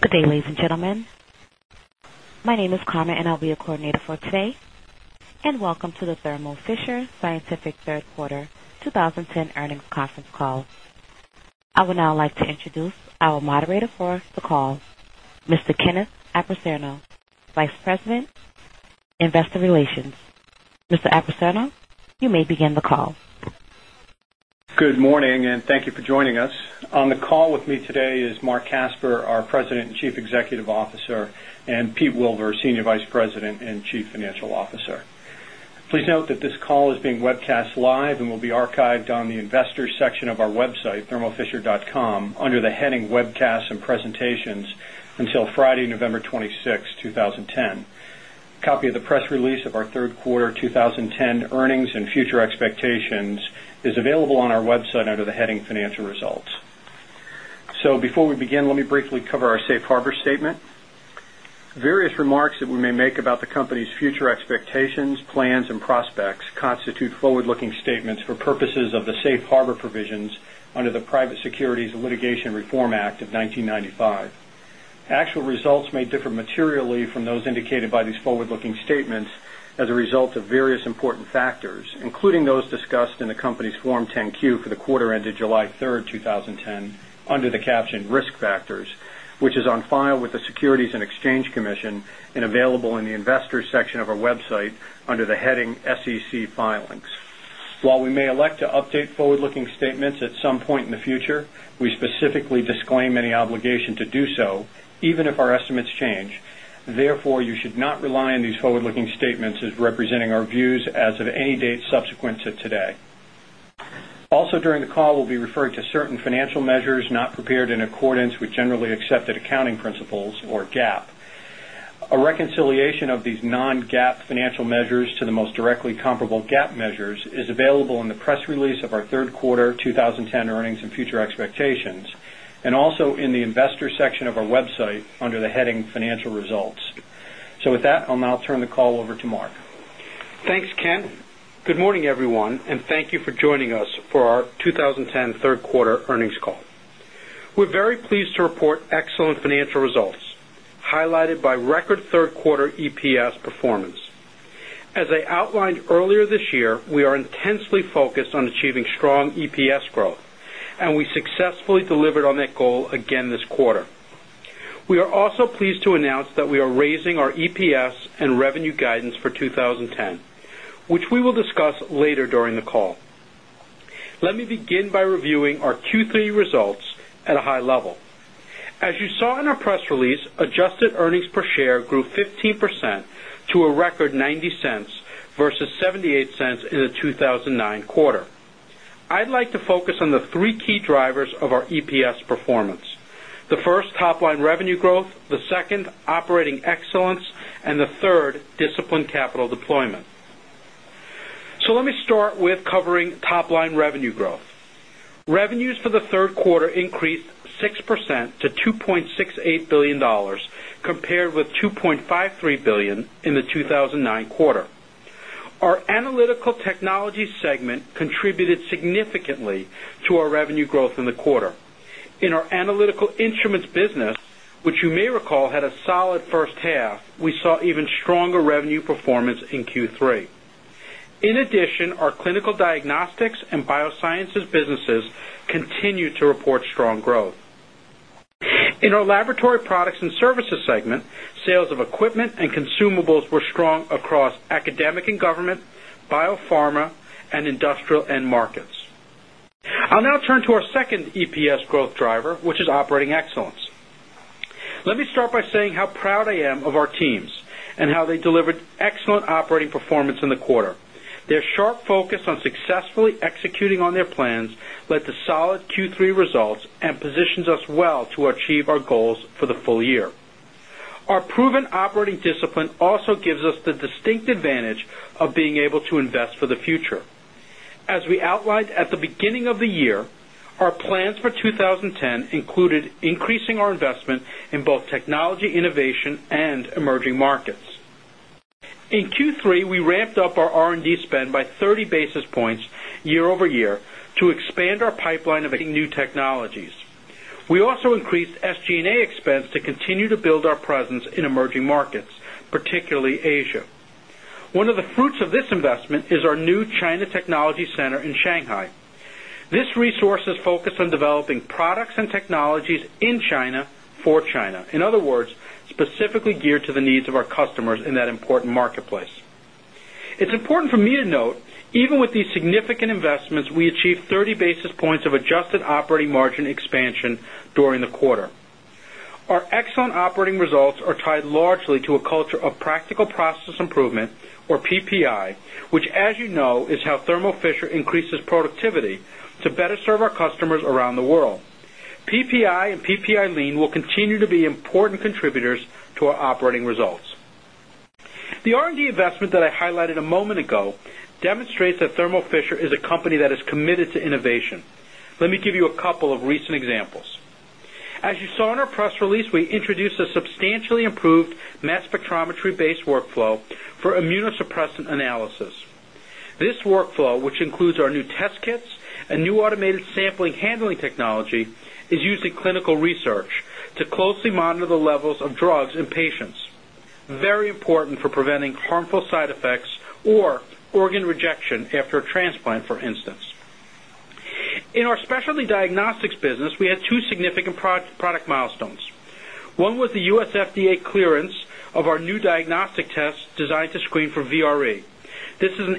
Good day, ladies and gentlemen. My name is Carmen, and I'll be your coordinator for today. And welcome to the Thermo Fisher Scientific Third Quarter 2010 Earnings Conference Call. I would now like to introduce our moderator for the call, Mr. Kenneth Apicerno, Vice President, Investor Relations. Mr. Apicerno, you may begin the call. Good morning and thank you for joining On the call with me today is Mark Casper, our President and Chief Executive Officer and Pete Wilbur, Senior Vice President and Chief Financial Officer. Please note that this call is being webcast live and will be archived on the Investors section of our website, thermofisher.com, Under the heading Webcasts and Presentations until Friday, November 26, 2010. A copy of the press release of our Q3 And our next question comes from the line of John Franzrebrenberg. Please go ahead. Good day, ladies and gentlemen. Good day, ladies and gentlemen. Good day, ladies and gentlemen. Various remarks that we may make about the company's future expectations, plans and prospects constitute forward looking statements for purposes of the Statements as a result of various important factors, including those discussed in the company's Form 10 Q for the quarter ended July 3, 2010, under the caption Risk Factors, which is on file with the Securities and Exchange Commission and available in the Investors section of our website under the heading SEC filings. While we may elect to update forward looking statements at some point in the future, we specifically disclaim any obligation to do so Even if our estimates change, therefore, you should not rely on these forward looking statements as representing our views as of any date subsequent to today. Also during the call, we'll be referring to certain financial measures not prepared in accordance with Generally Accepted Accounting Principles or GAAP. A reconciliation of these non GAAP financial measures to the most directly comparable GAAP measures is available in the press release of our 3rd Quarter 20 10 Earnings and Future Expectations and also in the Investors section of our website under the heading Financial Results. So with that, I'll now turn the call over Mark? Thanks, Ken. Good morning, everyone, and thank you for joining us for our 20 We're very pleased to report excellent financial results, highlighted by record 3rd quarter EPS performance. As I outlined earlier this year, we are intensely focused on achieving strong EPS growth and we successfully delivered on that goal again this quarter. We are also pleased to announce that we are raising our EPS and revenue guidance for 20.10, which we will discuss later during the call. Let me begin by reviewing our Q3 results at a high level. As you saw in our press release, earnings per share grew 15% to a record $0.90 versus $0.78 in the 2,009 quarter. I'd like to focus on the 3 key drivers of our EPS performance. The first, top line revenue growth the second, Operating excellence and the 3rd, disciplined capital deployment. So let me start with covering top line revenue growth. Revenues for the Q3 increased 6 percent to $2,680,000,000 compared with $2,530,000,000 in the 2,009 quarter. Our Analytical Technologies segment contributed significantly to our revenue growth in the quarter. In our analytical instruments business, which you may recall had a solid first half, we saw even stronger revenue performance in Q3. In addition, our clinical diagnostics and biosciences businesses continue to report strong growth. In our Laboratory Products and Services segment, sales of equipment and consumables were strong across academic and government, Biopharma and Industrial End Markets. I'll now turn to our 2nd EPS growth driver, which is operating excellence. Let me start by saying how proud I am of our teams and how they delivered excellent operating performance in the quarter. Their sharp focus on successfully executing on their plans led to solid Q3 results and positions us well to achieve our goals for the full year. Our proven operating discipline also gives us the distinct advantage of being able to invest for the future. As we outlined at the beginning of the year, our plans for 20 new technologies. We also increased SG and A expense to continue to build our presence in emerging markets, particularly Asia. One of the fruits of this investment is our new China Technology Center in Shanghai. This resource is focused on developing products technologies in China for China. In other words, specifically geared to the needs of our customers in that important marketplace. It's important for me to note, even with these significant investments, we achieved 30 basis points of adjusted operating margin expansion during the quarter. Our excellent operating results are tied largely to a culture of practical process improvement or PPI, which as you know is how Thermo Fisher increase productivity to better serve our customers around the world. PPI and PPI lean will continue to be important contributors to our operating results. The R and D investment that I highlighted a moment ago demonstrates that Thermo Fisher is a company that is committed to innovation. Let me give you a couple of recent examples. As you saw in our press release, we introduced a substantially improved mass spectrometry based workflow for immunosuppressant analysis. This workflow, which includes our new test kits and new automated sampling handling technology is used in clinical research to closely In our specialty diagnostics business, we had 2 significant product milestones.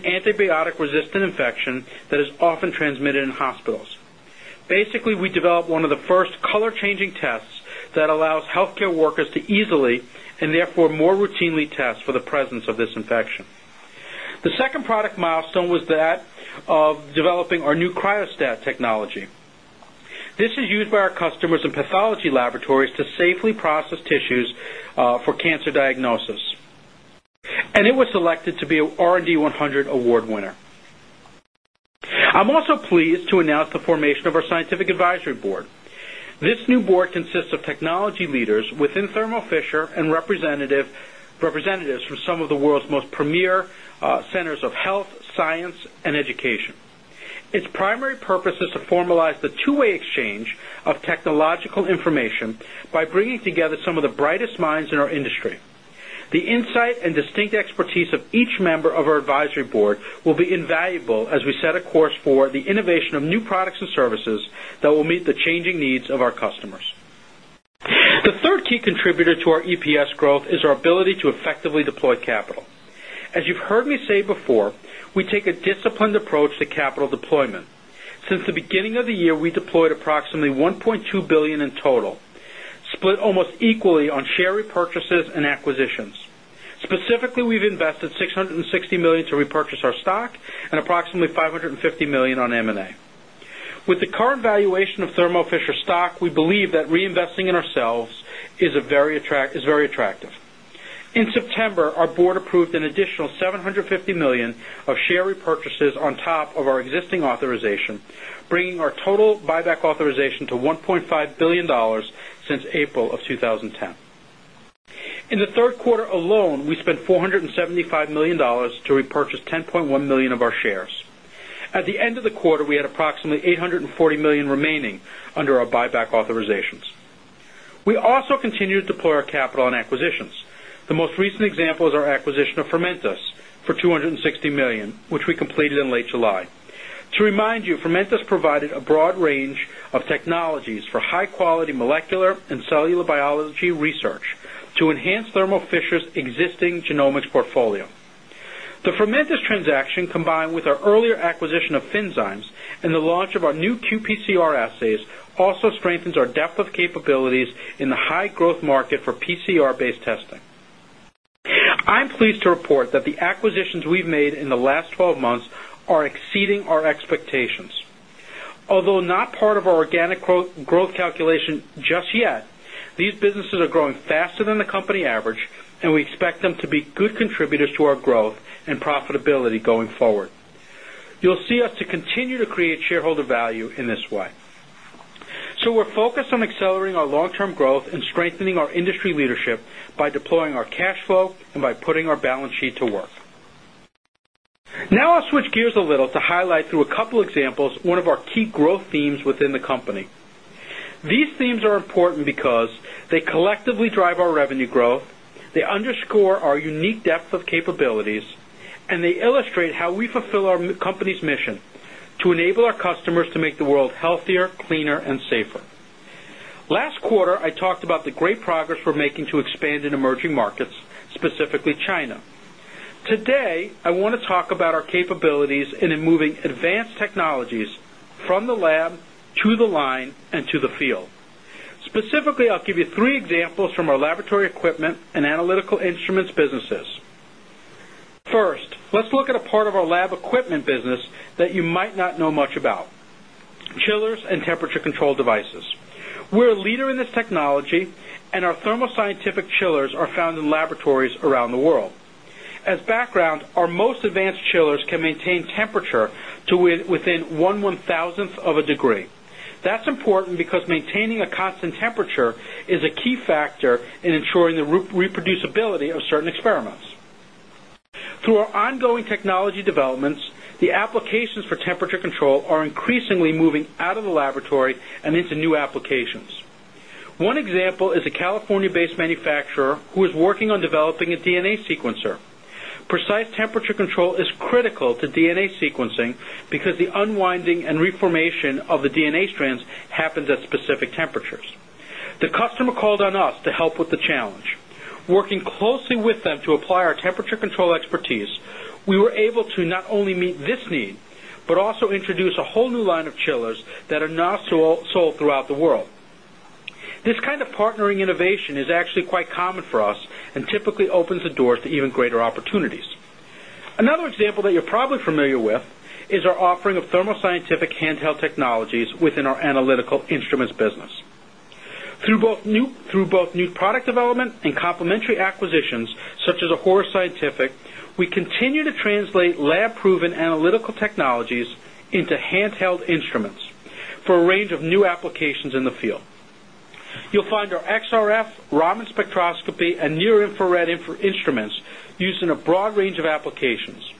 Infection that is often transmitted in hospitals. Basically, we developed one of the first color changing tests that allows healthcare workers to easily and therefore The second product milestone was that of developing our new cryostat technology. This is used by our customers in pathology laboratories to safely process tissues for cancer diagnosis. And it was selected to be R and D 100 Award winner. I'm also pleased to announce the formation of our Scientific Advisory Board. This new Board consists of technology leaders within Thermo Fisher and representatives from some of the world's most premier centers of health, science The 3rd key contributor to our EPS growth is our ability to effectively deploy capital. As you've heard me say before, We take a disciplined approach to capital deployment. Since the beginning of the year, we deployed approximately $1,200,000,000 in total, Split almost equally on share repurchases and acquisitions. Specifically, we've invested $660,000,000 to repurchase our stock and approximately 5.50 On M and A, with the current valuation of Thermo Fisher stock, we believe that reinvesting in ourselves is very attractive. In September, our Board approved an additional $750,000,000 of share repurchases on top of our existing $475,000,000 to repurchase 10,100,000 of our shares. At the end of the quarter, we had approximately $840,000,000 remaining under our buyback We also continue to deploy our capital on acquisitions. The most recent example is our acquisition of Fermentus for $260,000,000 which we In late July, to remind you, Fermentis provided a broad range of technologies for high quality molecular and cellular biology research To enhance Thermo Fisher's existing genomics portfolio, the Fermatis transaction combined with our earlier acquisition of Finzymes and The launch of our new qPCR assays also strengthens our depth of capabilities in the high growth market for PCR based testing. I'm pleased to report that the acquisitions we've made in the last 12 months are exceeding our expectations. Although not part of our organic growth calculation just yet, these businesses are growing faster than the company average and we expect them to be good contributors to our growth and profitability going forward. You'll see us to continue to create shareholder value in this way. So we're focused on accelerating our long term growth and strengthening our industry leadership by deploying our cash flow and by putting our balance sheet to work. Now I'll switch gears a little to highlight through a couple of examples one of our key growth themes within the company. These themes are important Because they collectively drive our revenue growth, they underscore our unique depth of capabilities and they illustrate how we fulfill our company's mission To enable our customers to make the world healthier, cleaner and safer. Last quarter, I talked about the great progress we're making to expand in emerging markets, specifically China. Today, I want to talk about our capabilities in moving advanced technologies from the lab to the line and to the field. Specifically, I'll give you three examples from our laboratory equipment and analytical instruments businesses. First, let's look at a part of our lab equipment business that you might not know much about, chillers and temperature controlled devices. We're a leader in this technology And our thermo scientific chillers are found in laboratories around the world. As background, our most advanced chillers can maintain temperature to within 1 1 of a degree. That's important because maintaining a constant temperature is a key factor in ensuring the reproducibility of certain experiments. Through our ongoing technology developments, the applications for temperature control are increasingly moving out of the laboratory and into new applications. One example is a California based manufacturer who is working on developing a DNA sequencer. Precise temperature control is critical to Working closely with them to apply our temperature control expertise, we were able to not only meet this need, But also introduce a whole new line of chillers that are now sold throughout the world. This kind of partnering innovation is actually quite common for us and opens the doors to even greater opportunities. Another example that you're probably familiar with is our offering of thermoscientific handheld technologies within Such as Horace Scientific, we continue to translate lab proven analytical technologies into handheld instruments for a range of new applications You'll find our XRF, Raman spectroscopy and near infrared instruments used in a broad range of applications,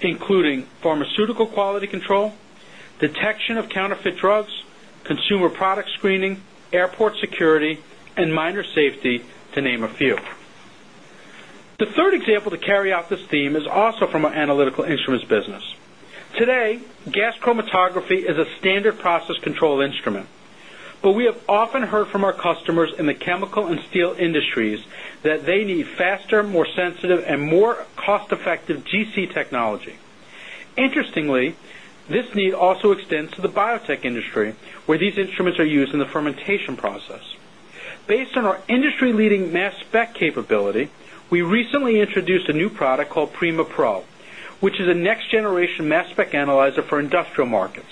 including to name a few. The 3rd example to carry out this theme is also from our analytical instruments business. Today, gas chromatography is a standard process control instrument, but we have often heard from our customers This need also extends to the biotech industry where these instruments are used in the fermentation process. Based on our industry leading mass spec We recently introduced a new product called Prima Pro, which is a next generation mass spec analyzer for industrial markets.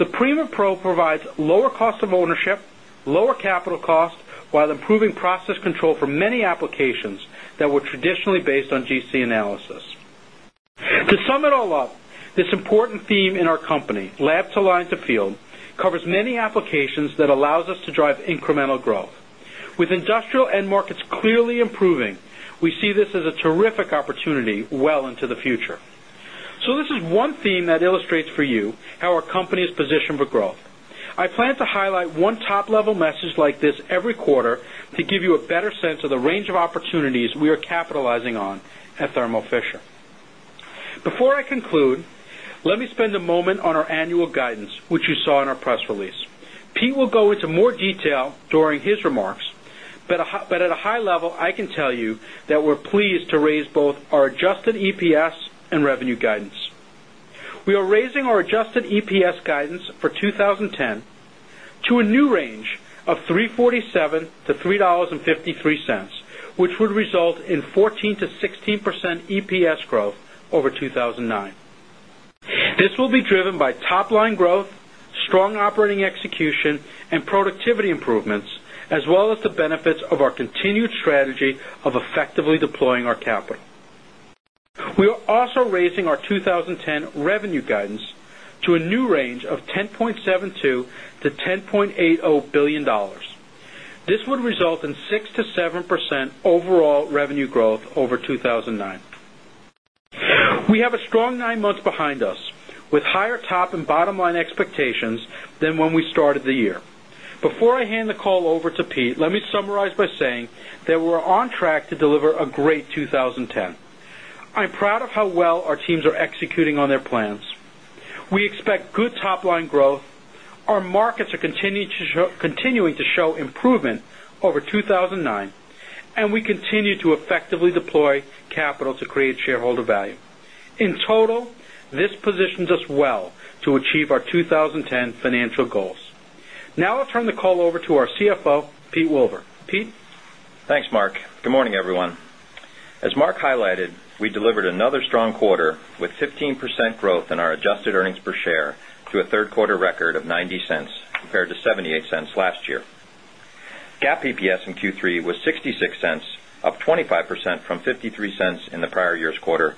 The provides lower cost of ownership, lower capital cost, while improving process control for many applications that were traditionally based on GC To sum it all up, this important theme in our company, lab to line to field, covers many applications that allows us to drive incremental With industrial end markets clearly improving, we see this as a terrific opportunity well into the future. So this is One theme that illustrates for you how our company is positioned for growth. I plan to highlight one top level message like this every quarter to give you a better The range of opportunities we are capitalizing on at Thermo Fisher. Before I conclude, let me spend a moment on our annual guidance, which you saw in our press release. Pete will go into more detail during his remarks, but at a high level, I can tell you that we're 16% EPS growth over 2,009. This will be driven by top line growth, Strong operating execution and productivity improvements as well as the benefits of our continued strategy of effectively deploying our capital. We are also raising our 20 10 revenue guidance to a new range of $10,720,000,000 to 10 This would result in 6% to 7% overall revenue growth over 2,009. We have a strong 9 months behind us with higher top and bottom line expectations than when we started the year. Before I hand the call over to Pete, let me summarize by saying that we're on track to deliver a great 2010. I'm proud of how well our teams are executing on their plans. We expect good Top line growth, our markets are continuing to show improvement over 2,009 and we continue to effectively deploy capital to create shareholder value. In total, this positions us well to achieve our 20 10 financial goals. Now I'll turn the call over to our CFO, Pete Wilbur. Pete? Thanks, Mark. Good morning, everyone. As Mark highlighted, we Good day, ladies and gentlemen. Delivered another strong quarter with 15% growth in our adjusted earnings per share to a 3rd quarter record of $0.90 compared to $0.78 last year. GAAP EPS in Q3 was $0.66 up 25% from $0.53 in the prior year's quarter,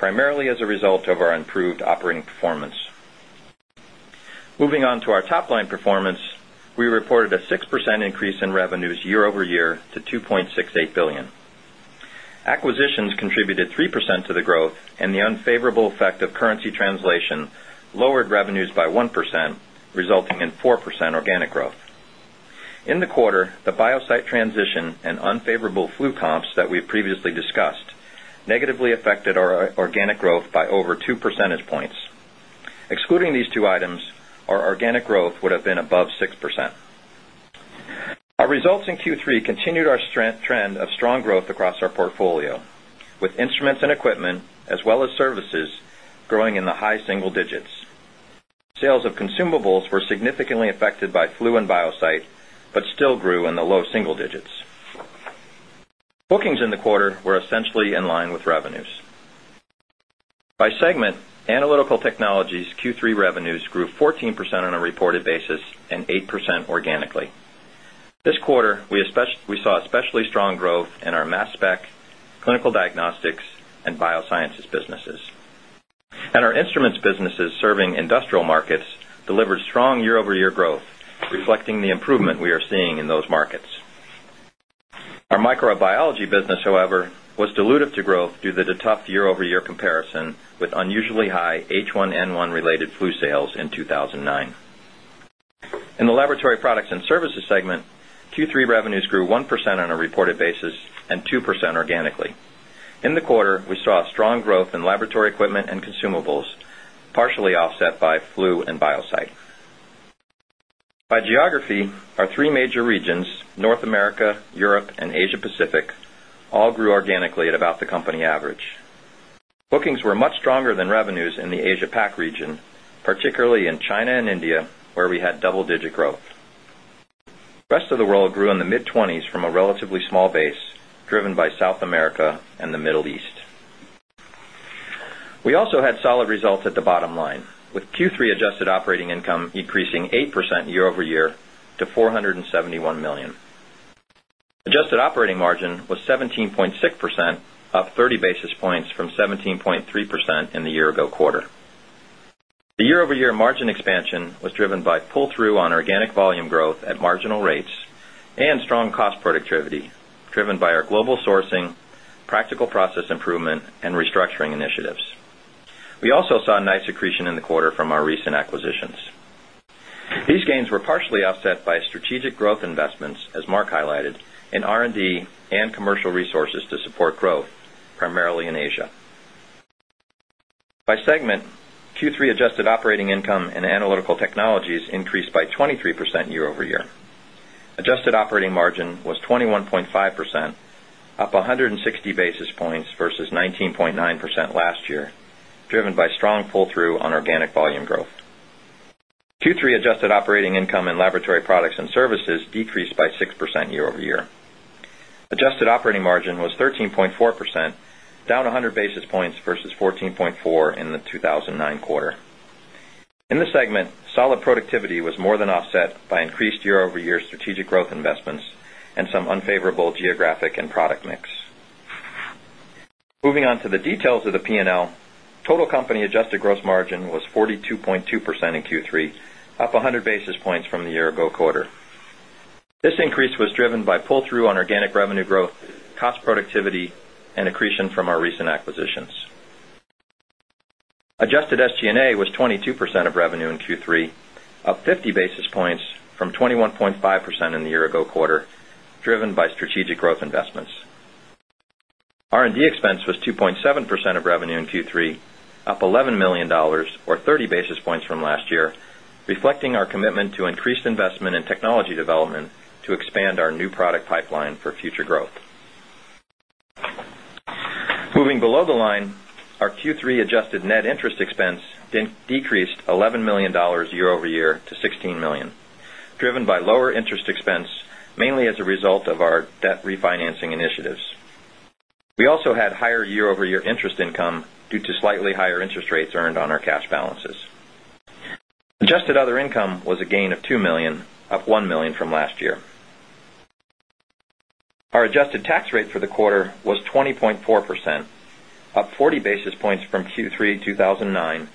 2,680,000,000. Acquisitions contributed 3% to the growth and the unfavorable effect of currency translation lowered revenues by 1%, resulting in 4% organic growth. In the quarter, the BioSight transition and unfavorable flu comps that we've previously discussed Negatively affected our organic growth by over 2 percentage points. Excluding these two items, our organic growth would have been above 6%. Our results in Q3 continued our trend of strong growth across our portfolio with instruments and equipment By segment, Analytical Technologies Q3 revenues grew 14% on a reported basis and 8% organically. This quarter, we saw especially strong growth in our mass spec, clinical diagnostics and biosciences businesses. And our instruments businesses serving industrial markets delivered strong year over year growth, reflecting the improvement we are seeing in those markets. Our microbiology business, however, was dilutive to growth due to the tough year over year comparison with unusually high H1N1 In the Laboratory Products and Services segment, Q3 revenues grew 1% on a reported basis and 2% organically. In the quarter, we saw strong growth in laboratory equipment and consumables, partially offset by flu and BioSight. By geography, our 3 major regions, North America, Europe and Asia Pacific, all grew organically at about the company average. Bookings were much stronger than revenues in the Asia Pac region, particularly in China and India, where we had double digit growth. Rest of the world grew in the mid-20s from a relatively small base driven by South America and the Middle East. We also had solid results at the bottom line with Q3 adjusted operating income increasing 8% year over year to 471,000,000 Adjusted operating margin was 17.6%, up 30 basis points from 17.3% in the year ago quarter. The year over year margin expansion was driven by pull through on organic volume growth at marginal rates and strong cost productivity, Driven by our global sourcing, practical process improvement and restructuring initiatives. We also saw nice accretion in the quarter from our recent acquisitions. These gains were partially offset by strategic growth investments, as Mark highlighted, in R and D and commercial resources to support growth, primarily in Asia. By segment, Q3 adjusted operating income in Analytical Technologies increased by 23% year over year. Driven by strong pull through on organic volume growth. Q3 adjusted operating income in Laboratory Products and Services decreased by 6% year over year. Adjusted operating margin was 13.4%, down 100 basis points versus 14.4% in the 2,009 quarter. Moving on to the details of the P and L. Total company adjusted gross margin was 42.2 percent in Q3, up 100 basis points from the year ago quarter. This increase was driven by pull through on organic revenue growth, cost productivity and accretion from our recent acquisitions. Adjusted SG and A was 22 percent of revenue in Q3, up 50 basis points from 21.5% in the year ago quarter, driven by strategic growth investments. R and D expense was 2.7 percent of revenue in Q3, up $11,000,000 30 basis points from last year, reflecting our commitment to increased investment in technology development to expand our new product pipeline for future growth. Moving below the line, our Q3 adjusted net interest expense decreased $11,000,000 year over year to 16,000,000 Driven by lower interest expense, mainly as a result of our debt refinancing initiatives. We also had higher year over year interest income Our adjusted tax rate for the quarter was 20.4%, up 40 basis points from Q3 2,009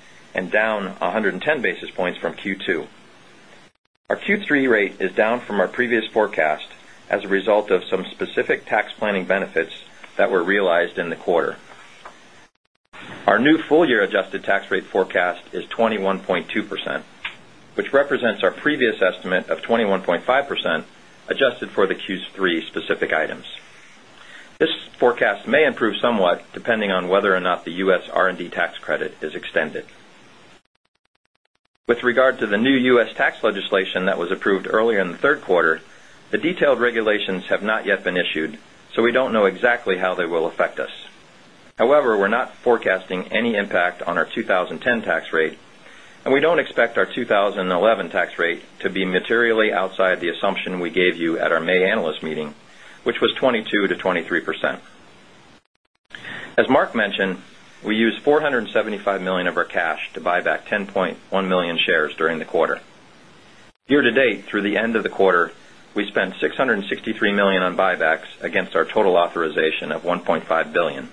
Our new full year adjusted tax rate forecast is 21.2%, Which represents our previous estimate of 21.5 percent adjusted for the Q3 specific items. With regard to the new U. S. Tax legislation that was approved earlier in the Q3, the detailed regulations have not yet been issued, so we don't know exactly how they will affect us. However, we're not forecasting any impact on our 2010 tax rate, and we don't expect our 2011 tax rate to be materially outside the assumption we gave you at our May Analyst Meeting, which was 22% to 23%. As Mark mentioned, we used $475,000,000 of our cash to buy back 10,100,000 shares during the quarter. Year to date through the end of the quarter, we spent $663,000,000 on buybacks against our total authorization of 1,500,000,000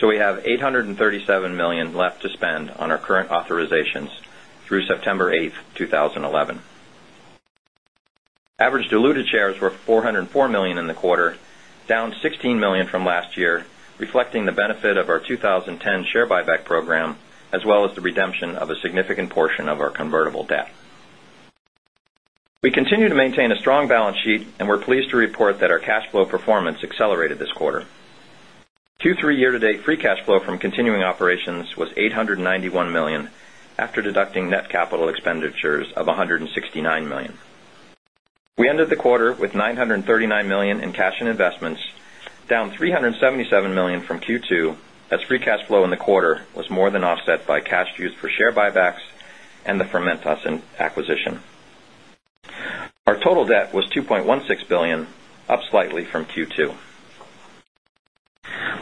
So we have $837,000,000 left to spend on our current authorizations through September 8, 2011. Average diluted shares were 404,000,000 in the quarter, down 16,000,000 from last year, reflecting the benefit of our 2010 share buyback program cash flow performance accelerated this quarter. Q3 year to date free cash flow from continuing operations was $891,000,000 After deducting net capital expenditures of $169,000,000 We ended the quarter with $939,000,000 in cash and investments, Down $377,000,000 from Q2, that's free cash flow in the quarter was more than offset by cash used for share buybacks and the Fermentas acquisition. Our total debt was $2,160,000,000 up slightly from Q2.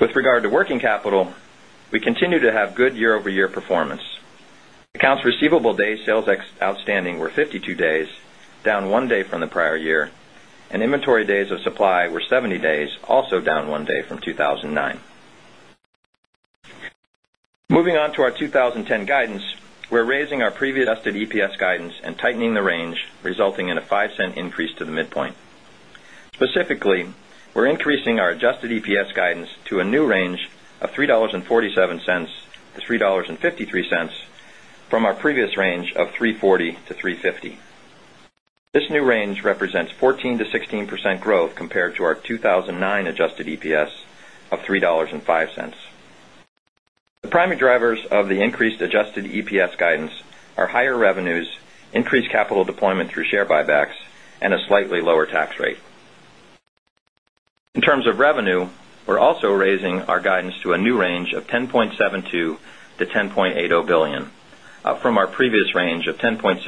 With regard to working capital, We continue to have good year over year performance. Accounts receivable days sales outstanding were 52 days, down one day from the prior year And inventory days of supply were 70 days, also down one day from 2,009. Moving on to our 20 10 guidance, we're raising our previous adjusted EPS guidance and tightening the range, resulting in a $0.05 increase to the midpoint. Specifically, we're increasing our adjusted EPS guidance to a new range of $3.47 $3.53 from our previous range of $3.40 to $3.50 This new range represents 14% to 16% growth compared to our 2 In terms of revenue, we're also raising our guidance to a new range of $10,720,000,000 to $10,801,000,000 from our previous range of 10 point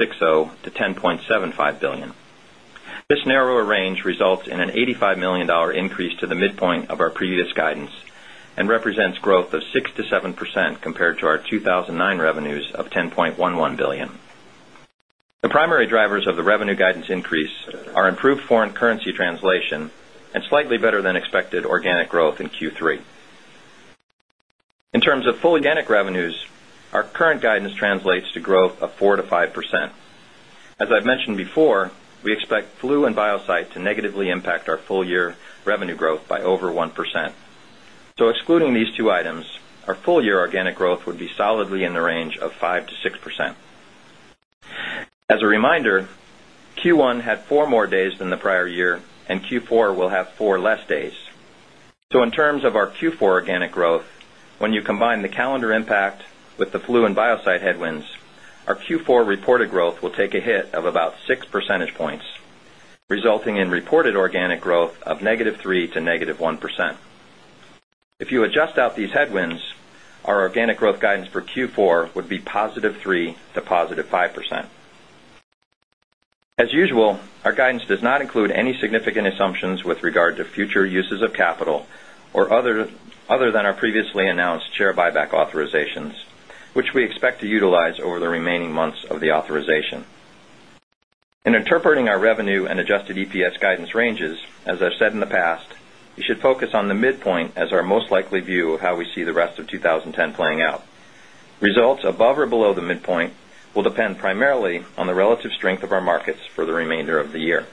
represents growth of 6% to 7% compared to our 2,009 revenues of $10,110,000,000 The primary drivers of Our improved foreign currency translation and slightly better than expected organic growth in Q3. In terms of full organic revenues, our current guidance translates to growth of 4% to 5%. As I've mentioned before, We expect flu and BioSight to negatively impact our full year revenue growth by over 1%. So excluding these two items, Our full year organic growth would be solidly in the range of 5% to 6%. As a reminder, Q1 had 4 more days than the prior year And Q4 will have 4 less days. So in terms of our Q4 organic growth, when you combine the calendar impact With the Flu and BioSight headwinds, our Q4 reported growth will take a hit of about 6 percentage points, resulting in reported organic growth of As usual, our guidance does not include any significant assumptions with regard to future uses of capital or Other than our previously announced share buyback authorizations, which we expect to utilize over the remaining months of the authorization. In interpreting our revenue and adjusted EPS guidance ranges, as I've said in the past, you should focus on the midpoint as our most likely view of how we see the rest of 2010 playing out. Results above or below the midpoint will depend primarily on the relative strength of our markets for the remainder of the year.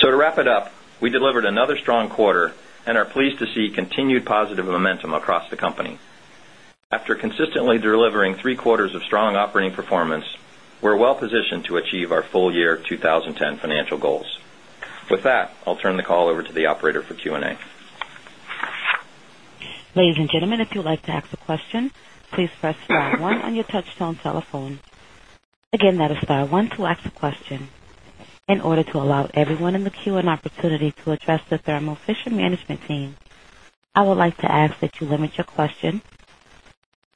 So to wrap it up, we delivered another strong quarter and are pleased to see continued positive momentum across the company. After consistently delivering 3 quarters of strong operating performance, we're well positioned to achieve our full year 2010 financial goals. With that, I'll turn the call over to the operator for Q and A.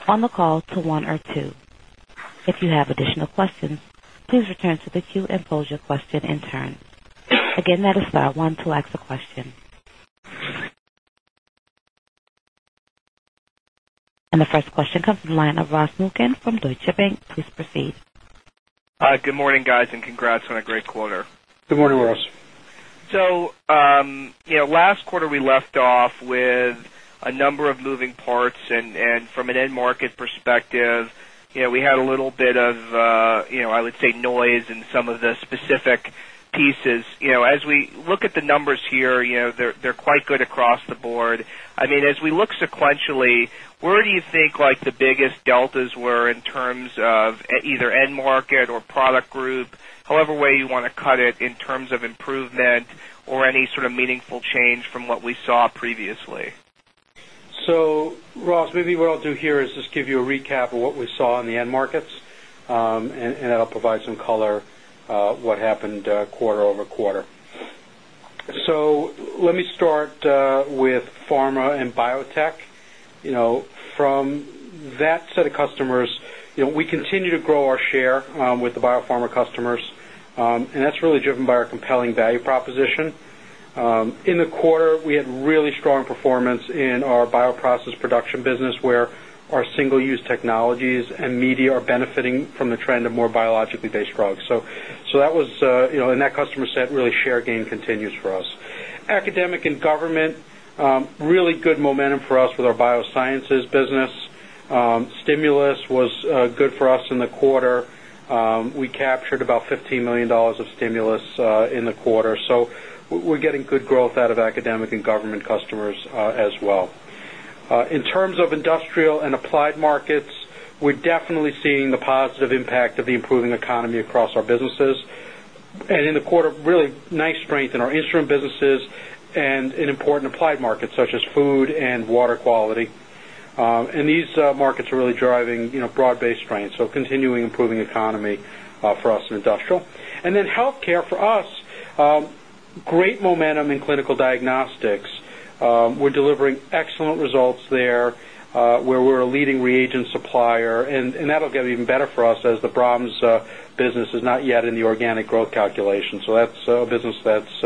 And the first question comes from the line of Ross Muken from Deutsche Bank. Please proceed. Good morning, guys, and congrats on a great quarter. Good morning, Ross. So, last quarter, we left off with A number of moving parts and from an end market perspective, we had a little bit of, I would say, noise in some of the specific Pieces, as we look at the numbers here, they're quite good across the board. I mean, as we look sequentially, where do you think like the biggest Deltas were in terms of either end market or product group, however way you want to cut it in terms of improvement Any sort of meaningful change from what we saw previously? So Ross, maybe what I'll do here is just give you a recap of what we saw in the end markets, and And I'll provide some color what happened quarter over quarter. So let me start with pharma and biotech. From that set of customers, we continue to grow our share with the biopharma customers, And that's really driven by our compelling value proposition. In the quarter, we had really strong performance in our bioprocess production business where our single use Technologies and media are benefiting from the trend of more biologically based drugs. So that was in that customer set, really share gain continues for us. Academic Government, really good momentum for us with our Biosciences business. Stimulus was good for us in the quarter. We captured about $15,000,000 of stimulus in the quarter. So we're getting good growth out of academic and government customers as well. In terms of industrial and applied markets, we're definitely seeing the positive impact of the improving economy across Businesses and in the quarter, really nice strength in our instrument businesses and in important applied markets such as food and water quality. And these markets are really driving broad based strength, so continuing improving economy for us in industrial. And then healthcare for Great momentum in clinical diagnostics. We're delivering excellent results there We're a leading reagent supplier and that will get even better for us as the Brahms business is not yet in the organic growth calculation. So that's a business that's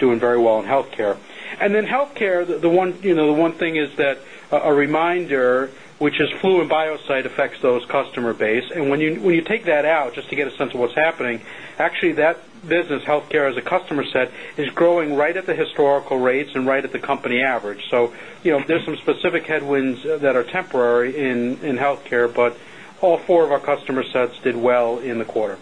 doing very well in health care. And then health care, the one thing is that a reminder, which Flu and BioSight affects those customer base. And when you take that out, just to get a sense of what's happening, actually that business, healthcare as a customer set, is growing right The historical rates and right at the company average. So there's some specific headwinds that are temporary in healthcare, but all 4 of our customer Good day, ladies and gentlemen.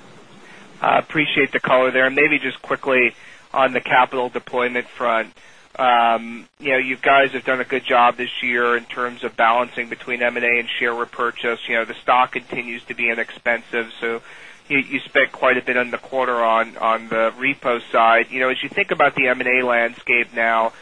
I appreciate the color there. And maybe just quickly on the capital deployment front, You guys have done a good job this year in terms of balancing between M and A and share repurchase. The stock continues to be inexpensive. So You spent quite a bit on the quarter on the repo side. As you think about the M and A landscape now,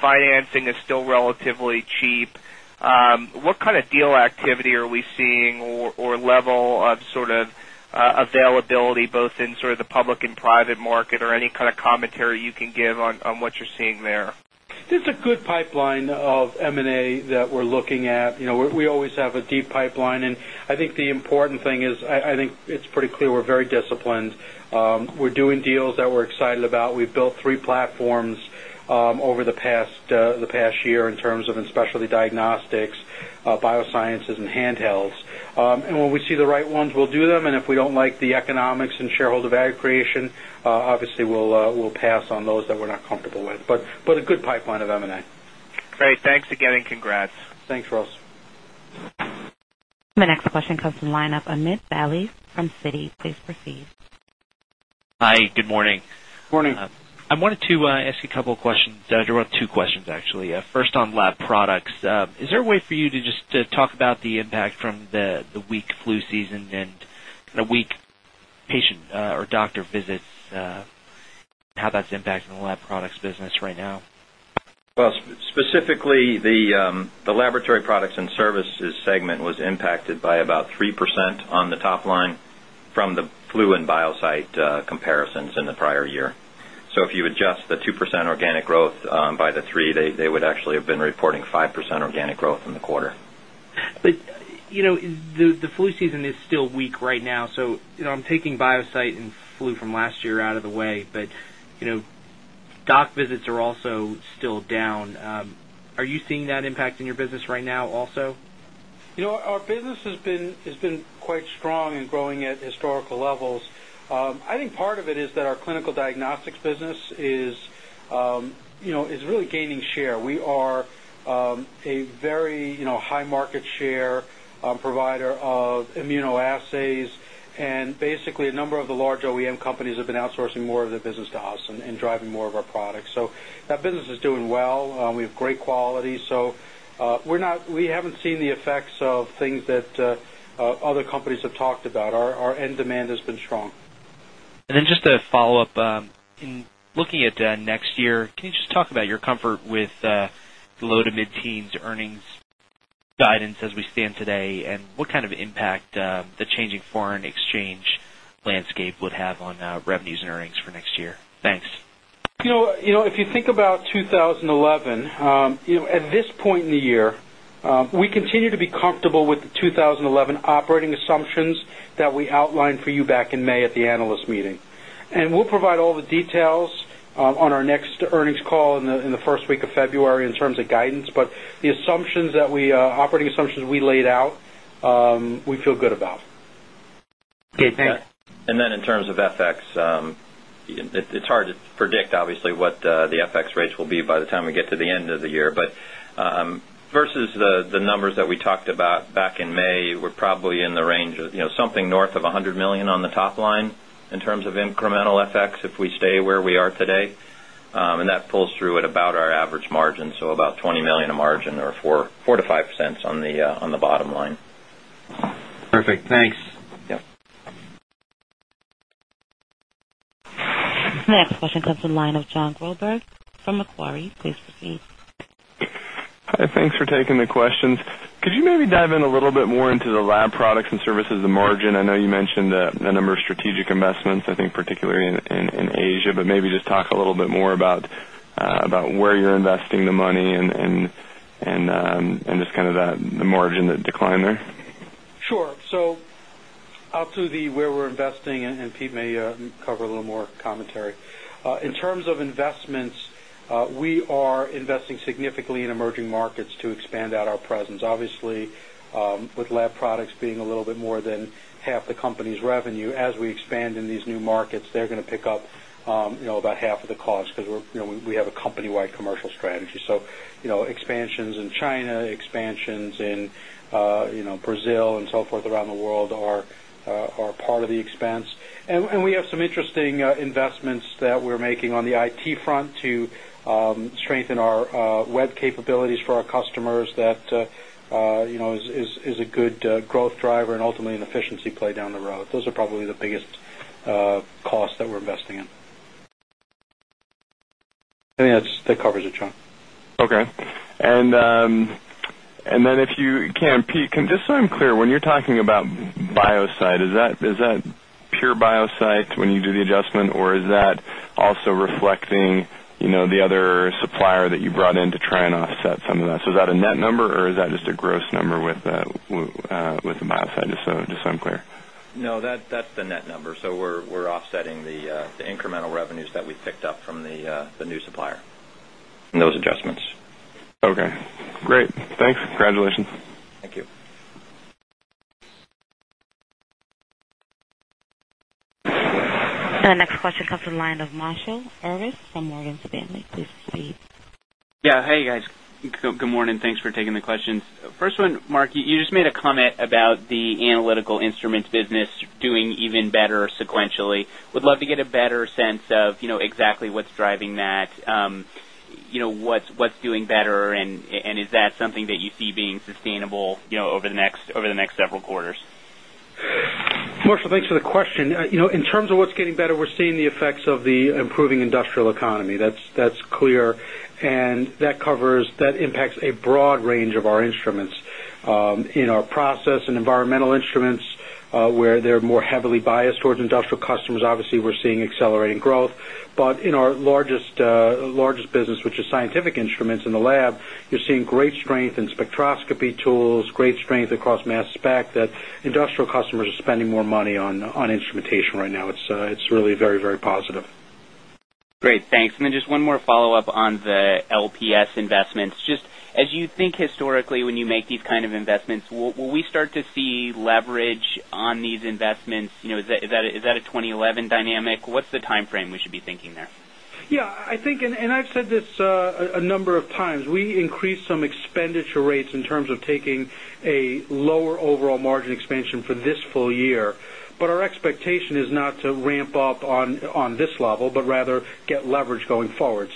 financing is still relatively cheap. What kind of deal activity are we seeing or level of sort of availability both in sort of the public and private market or any commentary you can give on what you're seeing there? It's a good pipeline of M and A that we're looking at. We always have a deep pipeline. And I think important thing is, I think it's pretty clear we're very disciplined. We're doing deals that we're excited about. We've built 3 platforms over the past in terms of in specialty diagnostics, biosciences and handhelds. And when we see the right ones, we'll do them. And if we don't like the economics and shareholder value Obviously, we'll pass on those that we're not comfortable with, but a good pipeline of M and A. Great. Thanks again and congrats. Thanks, Ross. My next question comes from the line of Amit Bali from Citi. Please proceed. Hi, good morning. Good morning. I wanted to ask you a couple of questions. There are 2 questions actually. First on lab products, is there a way for you to just talk about the impact from the weak flu season and In a weak patient or doctor visits, how that's impacting the lab products business right now? Well, specifically the laboratory products and services segment was impacted by about 3% on the top line From the flu and BioSight comparisons in the prior year. So if you adjust the 2% organic growth by The 3% they would actually have been reporting 5% organic growth in the quarter. But the flu season is Still weak right now. So I'm taking BioSight and flu from last year out of the way, but doc visits are also still down. Are you seeing impacting your business right now also? Our business has been quite strong and growing at historical levels. I think Part of it is that our clinical diagnostics business is really gaining share. We are a Very high market share provider of immunoassays and basically a number of the large OEM companies have been outsourcing more of their business to us And driving more of our products. So that business is doing well. We have great quality. So we're not we haven't seen the effects of things That other companies have talked about, our end demand has been strong. And then just a follow-up. In Looking at next year, can you just talk about your comfort with low to mid teens earnings guidance as we stand today? And what kind of impact The changing foreign exchange landscape would have on revenues and earnings for next year? Thanks. If you think About 2011, at this point in the year, we continue to be comfortable with the 2011 operating assumptions That we outlined for you back in May at the analyst meeting. And we'll provide all the details on our next earnings call in the 1st week of February in terms of guidance. But assumptions that we operating assumptions we laid out, we feel good about. Okay. Thanks. And then in terms of FX, It's hard to predict obviously what the FX rates will be by the time we get to the end of the year. But versus the numbers that we talked about back in May, were probably in the range of something north of $100,000,000 on the top line in terms of incremental FX if we stay where we are today. And that pulls through at about our average margin, so about $20,000,000 of margin or 4% to 5% on the bottom line. Perfect. Thanks. Yes. Next question comes from the line of John Goldberg from Macquarie. Please proceed. Hi, thanks for taking the questions. Could you maybe dive in a little bit more into the lab products and services margin? I know you mentioned a number of strategic investments, I think particularly In Asia, but maybe just talk a little bit more about where you're investing the money and just kind of the margin that decline there? Sure. So I'll to the where we're investing and Pete may cover a little more commentary. In terms of investments, We are investing significantly in emerging markets to expand out our presence. Obviously, with lab products being a little bit more Then half the company's revenue as we expand in these new markets, they're going to pick up about half of the cost because we have a company wide commercial So expansions in China, expansions in Brazil and so forth around the world are part of the expense. And we have some Investments that we're making on the IT front to strengthen our web capabilities for our customers that Is a good growth driver and ultimately an efficiency play down the road. Those are probably the biggest costs that we're investing in. I think that covers it, John. Okay. And then if you can Pete, just so I'm clear, when you're talking about BioSight, Is that pure BioSight when you do the adjustment? Or is that also reflecting the other supplier that you brought in to try and So that's a net number or is that just a gross number with Miocene, just so I'm clear? No, that's the net number. So We're offsetting the incremental revenues that we picked up from the new supplier in those adjustments. Okay, great. Thanks. Congratulations. Thank you. And our next question comes from the line of Marshall Ernest from Morgan Stanley. Please proceed. Yes. Hi, guys. Good morning. Thanks for taking the questions. First one, Mark, you just made a comment about the analytical instruments Business doing even better sequentially. Would love to get a better sense of exactly what's driving that. What's doing better? And is that something that you see being sustainable over the next several quarters? Marshall, thanks for the question. In terms of what's getting better, we're seeing the effects of the improving industrial economy. That's clear. And that covers that impacts A broad range of our instruments, in our process and environmental instruments, where they're more heavily biased towards customers, obviously, we're seeing accelerating growth. But in our largest business, which is scientific instruments in the lab, you're seeing great strength in spectroscopy tools, Great strength across mass spec that industrial customers are spending more money on instrumentation right now. It's really very, very positive. Great. Thanks. And then just one more follow-up on the LPS investments. Just as you think historically when you make these kind of Will we start to see leverage on these investments? Is that a 2011 dynamic? What's the timeframe we should be thinking there? Yes. I think and I've said this a number of times, we increased some expenditure rates in terms of taking a lower Overall margin expansion for this full year, but our expectation is not to ramp up on this level, but rather get leverage going forward.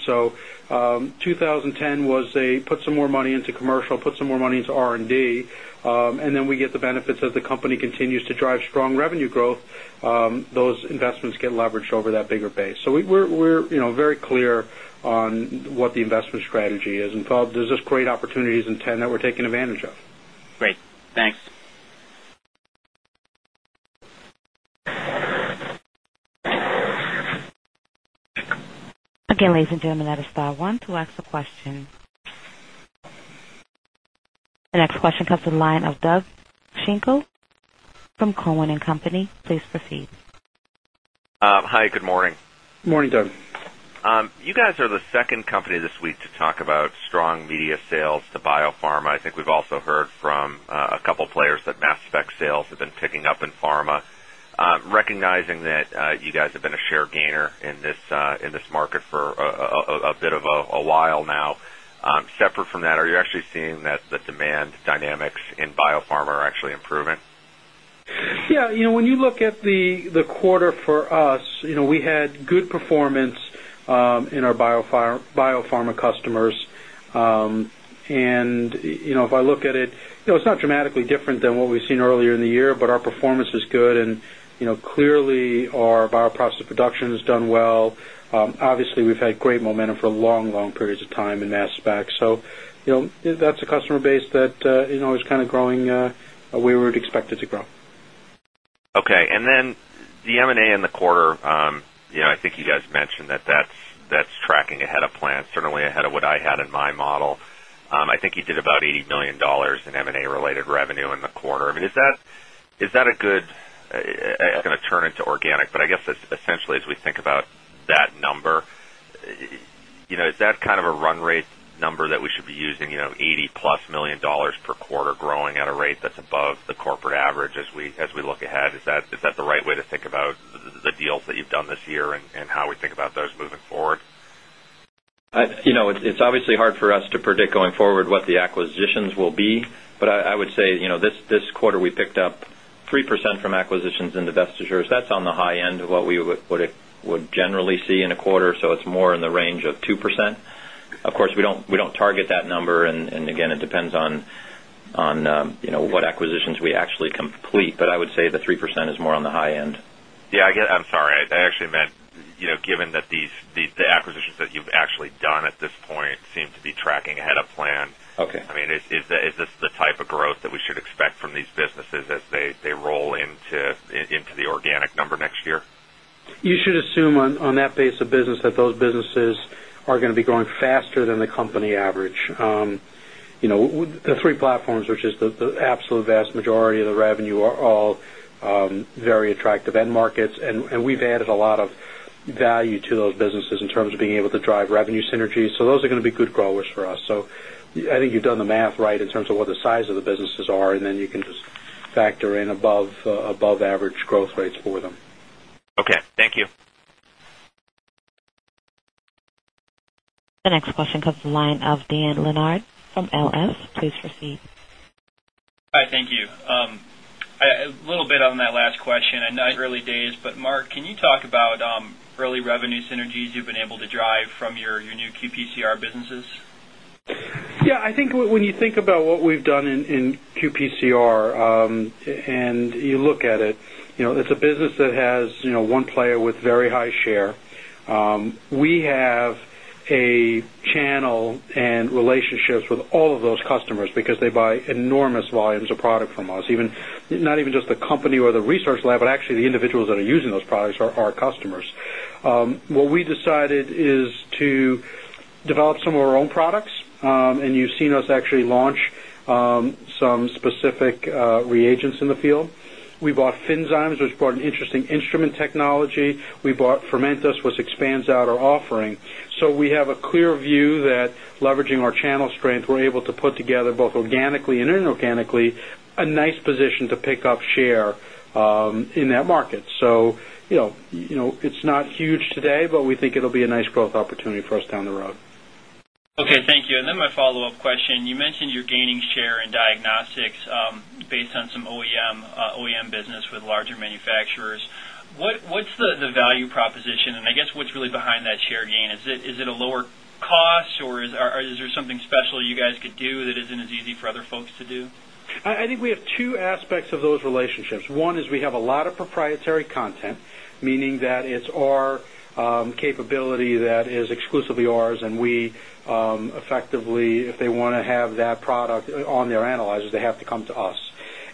So 2010 was a put some more money into commercial, put some more money into R and D, and then we get the benefits as the company continues to drive strong revenue growth, Those investments get leveraged over that bigger base. So we're very clear on what the investment strategy is. And, Bob, there's just great opportunities in TEN that we're taking advantage of. Great. Thanks. The next question comes from the line of Doug Schenkel from Cowen and Company. Please proceed. Hi, good morning. Good morning, Doug. You guys are the 2nd company this week To talk about strong media sales to biopharma, I think we've also heard from a couple of players that mass spec sales have been picking Up in Pharma, recognizing that you guys have been a share gainer in this market for a bit A while now. Separate from that, are you actually seeing that the demand dynamics in biopharma are actually improving? Yes. When you look at the quarter for us, we had good performance in our biopharma And if I look at it, it's not dramatically different than what we've seen earlier in the year, but our performance is good. And Clearly, our bioprocessor production has done well. Obviously, we've had great momentum for long, long periods of time in mass spec. That's a customer base that is always kind of growing where we would expect it to grow. Okay. And then the M and A in the quarter, I think you guys mentioned that that's tracking ahead of plan, certainly ahead of what I had in my model. I think you did about $80,000,000 in M and A related revenue in the quarter. I Is that a good I'm going to turn it to organic, but I guess essentially as we think about that number, Is that kind of a run rate number that we should be using, dollars 80 plus 1,000,000 per quarter growing at a rate that's The corporate average as we look ahead, is that the right way to think about the deals that you've done this year and how we think about those moving forward? It's obviously hard for us to predict going forward what the acquisitions will be. But I would say this quarter we picked up 3% from acquisitions and divestitures, that's on the high end of what we would generally see in a quarter. So it's more in the range of 2%. Of course, we don't target that number. And again, it depends on what acquisitions we actually complete. But I would say the 3% is more on the high end. Yes. I guess I'm sorry. I actually meant given that these the acquisitions that you've actually done at this point seem to be tracking ahead of plan. Okay. I mean, is this the type of growth that we should expect from these businesses as they roll into the organic number next year? You should assume on that base of business that those businesses are going to be growing faster than the company average. The 3 platforms, which is the absolute vast majority of the revenue are all very attractive end markets, and we've added a lot of value to those businesses in terms of To drive revenue synergies, so those are going to be good growers for us. So I think you've done the math right in terms of what the size of the businesses are and then you Just factor in above average growth rates for them. Okay. Thank you. The next question comes from the line of Dan Leonard from L. S. Please proceed. Hi, thank you. A little bit on that last question. I know it's early days, but Mark, can you talk about early revenue synergies you've been able to drive from your new QPCR businesses? Yes. I think when you think about what we've done in QPCR and you look at it, it's a business Because they buy enormous volumes of product from us, even not even just the company or the research lab, but actually the individuals that are using those products are our customers. What we decided is to develop some of our own products, and you've seen us actually launch Some specific reagents in the field. We bought Finzymes, which brought an interesting instrument technology. We We bought Fermentus, which expands out our offering. So we have a clear view that leveraging our channel strength, we're able to put together both organically and inorganically A nice position to pick up share in that market. So it's not huge today, but we think it will be a nice growth opportunity for us down the road. Okay. Thank you. And then my follow-up question. You mentioned you're gaining share in diagnostics based on some OEM What's the value proposition? And I guess what's really behind that share gain? Is it a lower Costs or is there something special you guys could do that isn't as easy for other folks to do? I think we have 2 aspects of those relationships. One is we have a lot of proprietary Meaning that it's our capability that is exclusively ours and we effectively if they want Have that product on their analyzers, they have to come to us.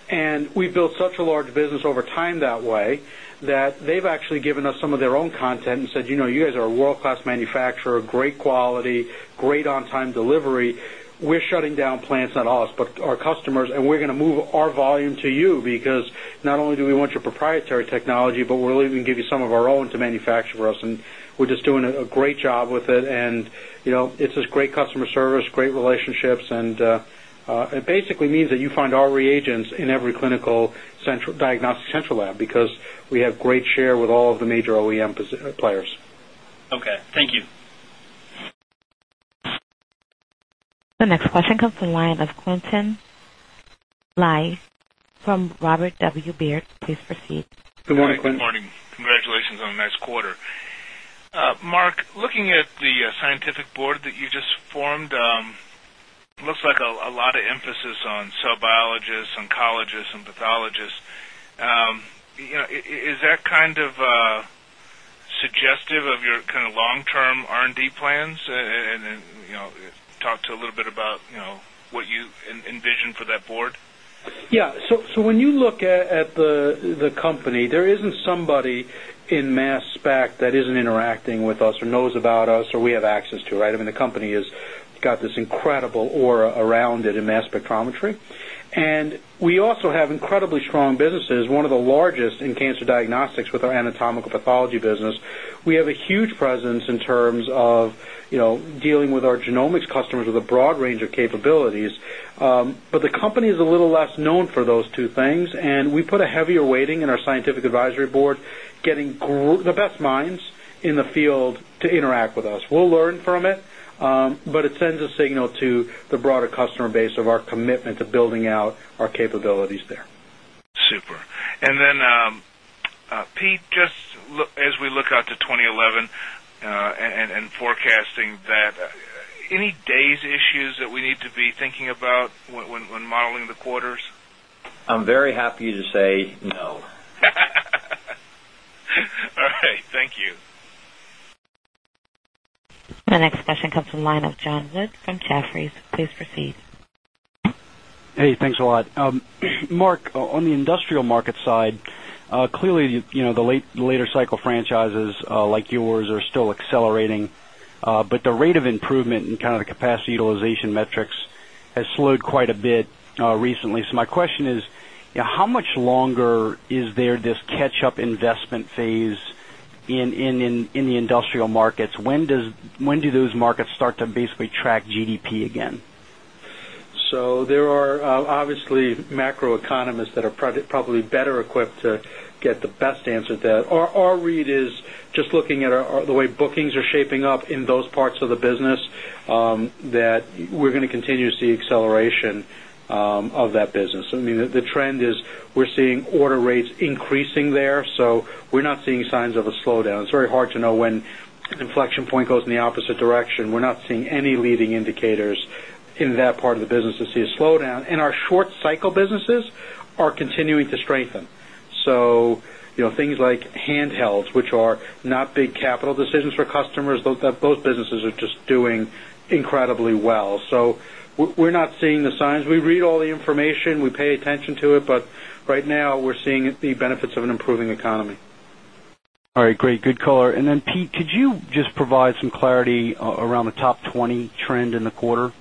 And we've built such a large business over time that way that they've But we're leaving to give you some of our own to manufacture for us. And we're just doing a great job with it. And it's this great customer service, great relationships. And It basically means that you find our reagents in every clinical diagnostic central lab because we have great share with all of the major OEM players. Okay. Thank you. The next question comes from the line of Quentin Live from Robert W. Baird. Please proceed. Good morning, Quinn. Good morning. Congratulations on a nice quarter. Mark, looking at the scientific Board that you just formed, it looks like a lot of emphasis on cell biologists, oncologists and pathologists. Is that kind of suggestive of your kind of long term R and D plans? And then Talk to a little bit about what you envision for that Board? Yes. So when you look at the company, there isn't somebody In mass spec, that isn't interacting with us or knows about us or we have access to, right? I mean, the company has got this incredible aura And we also have incredibly strong businesses, one of the largest in cancer diagnostics with our Anatomical Pathology business. We have a huge presence in terms of dealing with our genomics customers with a broad range of capabilities. The company is a little less known for those two things and we put a heavier weighting in our Scientific Advisory Board getting the best minds in the field We'll learn from it, but it sends a signal to the broader customer base of our commitment to building out our capabilities there. Super. And then, Pete, just as we look out to 20 11 and forecasting that, any days Any days issues that we need to be thinking about when modeling the quarters? I'm very happy to say no. All right. Thank you. The next question comes from the line of John Wood from Jefferies. Please proceed. Hey, thanks a lot. Mark, on the industrial market side, clearly, the later cycle franchises like yours are Still accelerating, but the rate of improvement in kind of the capacity utilization metrics has slowed quite a bit recently. So my question is, How much longer is there this catch up investment phase in the industrial markets? When does when do those markets So there are obviously macro economists that are probably better equipped to Get the best answer to that. Our read is just looking at the way bookings are shaping up in those parts of the business that We're going to continue to see acceleration of that business. I mean, the trend is we're seeing order rates increasing there. So we're not seeing signs It's very hard to know when inflection point goes in the opposite direction. We're not seeing any leading indicators in that part of the business to see a slowdown. And our short businesses are continuing to strengthen. So things like handhelds, which are not big capital decisions for customers, those The benefits of an improving economy. All right. Great. Good color. And then Pete, could you just provide some clarity around the top 20 trend in the quarter?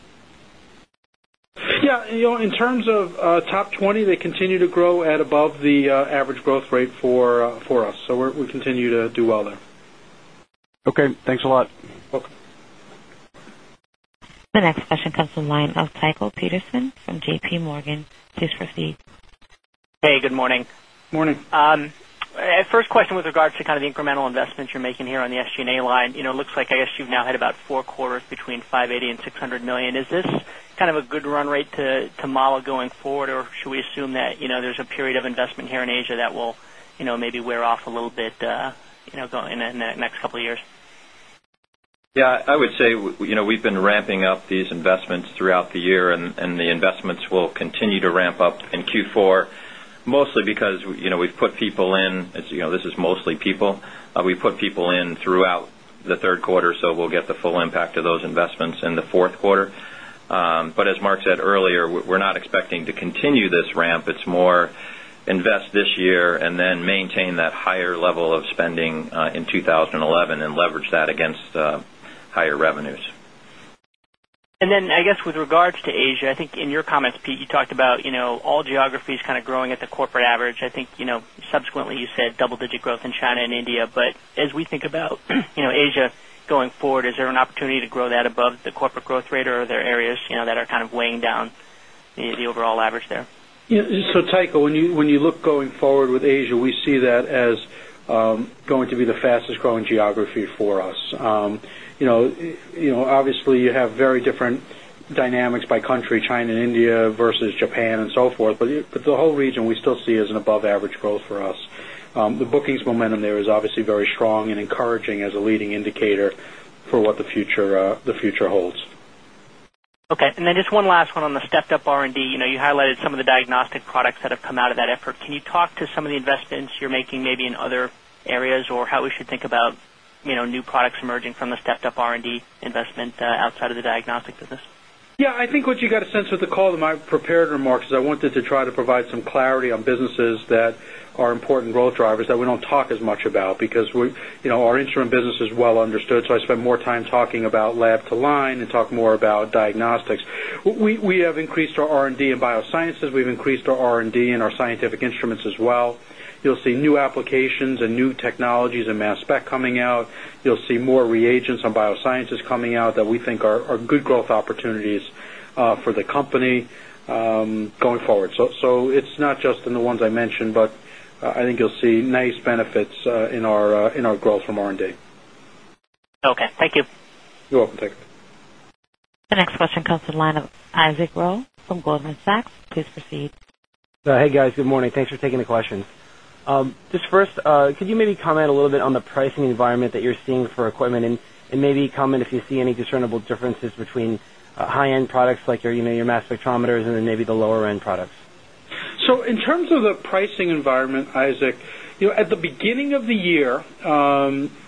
Yes. In terms of top 20, they continue to grow at above the average growth rate for us. So we continue to do well there. Okay. Thanks a lot. Welcome. The next question comes from the line of Tycho Peterson from JPMorgan. Please proceed. Hey, good morning. Good morning. First question with regards to kind of the incremental investments you're making here on the SG and A line. It looks like I guess you've now had about 4 quarters $580,000,000 $600,000,000 Is this kind of a good run rate to Mala going forward or should we assume that there's a period of investment here in Asia that will Maybe we're off a little bit in the next couple of years. Yes. I would say we've been ramping up these investments throughout the year and investments will continue to ramp up in Q4 mostly because we've put people in as you know, this is mostly people. We put people in throughout The Q3, so we'll get the full impact of those investments in the Q4. But as Mark said earlier, we're not expecting to continue this ramp. It's more invest And then maintain that higher level of spending in 2011 and leverage that against higher revenues. And then I guess with regards to Asia, I think in your comments, Pete, you talked about all geographies kind of growing at the corporate average. I think subsequently you said double digit growth in China and India. But As we think about Asia going forward, is there an opportunity to grow that above the corporate growth rate? Or are there areas that are kind of weighing down the overall average there? So Tycho, when you look going forward with Asia, we see that as going to be the fastest growing geography for us. Obviously, you have very different dynamics by country, China and India versus Japan and so forth. But the whole region, we still above average growth for us. The bookings momentum there is obviously very strong and encouraging as a leading indicator for what the future holds. Okay. And then just one last one on the stepped up R and D. You highlighted some of the diagnostic products that have come out of that effort. Can you talk to some of the investments you're making maybe in other areas or how we should think about new products emerging from the stepped up R and D investment outside of the Diagnostics business? Yeah. I think what you got a sense with the call in my prepared remarks is I wanted to try to provide some clarity on businesses that are important growth drivers that we don't As much about because our instrument business is well understood, so I spend more time talking about lab to line and talk more about diagnostics. We have increased our R and D in biosciences. We've increased our R and D in We've increased our R and D in our scientific instruments as well. You'll see new applications and new technologies and mass spec coming out. You'll see more reagents on biosciences coming that we think are good growth opportunities for the company going forward. So it's not just in the ones I mentioned, but I think you'll see nice The next question comes from the line of Isaac Ro Just first, could you maybe comment a little bit on the pricing environment that you're seeing for equipment? And And maybe comment if you see any discernible differences between high end products like your mass spectrometers and then maybe the lower end products? So in terms of the pricing environment, Isaac, at the beginning of the year,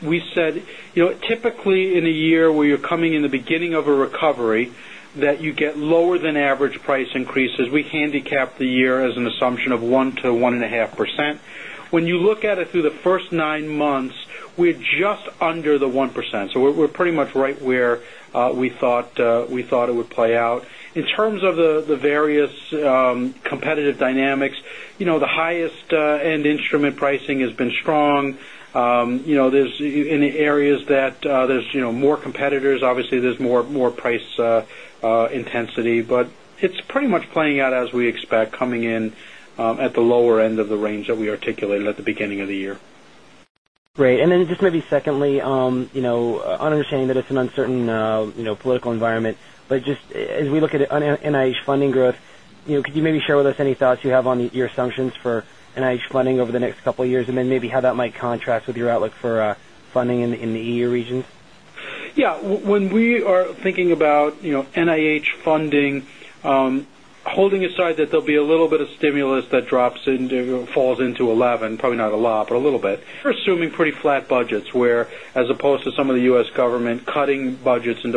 we said Typically in a year where you're coming in the beginning of a recovery that you get lower than average price increases, we handicap the year as an assumption of 1% to 1.5 When you look at it through the 1st 9 months, we're just under the 1%. So we're pretty much right where we thought it would play out. In terms of the various competitive dynamics, the highest end instrument pricing has been strong. There's In the areas that there's more competitors, obviously, there's more price intensity, but it's And then just maybe secondly, understanding that it's an uncertain political environment, but just as we look at NIH funding growth, could you maybe share any thoughts you have on your assumptions for NIH funding over the next couple of years? And then maybe how that might contrast with your outlook for funding in the EU regions? Yes. When we are thinking about NIH funding, holding aside that there'll be a little bit of That drops into falls into 11, probably not a lot, but a little bit. We're assuming pretty flat budgets where as opposed to some of the U. S. Government cutting budgets We